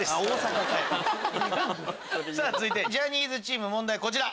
続いてジャニーズチーム問題こちら。